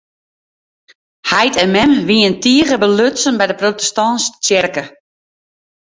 Heit en mem wiene tige belutsen by de protestantske tsjerke.